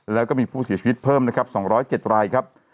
แล้วก็มีผู้เสียชีวิตเพิ่มนะครับ๒๐๗รายครับ